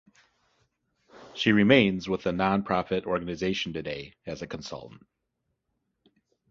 She remains with the non-profit organization today as a consultant.